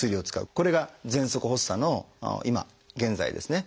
これがぜんそく発作の今現在ですね